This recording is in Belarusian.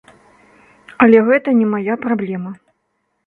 Але гэта не мая праблема.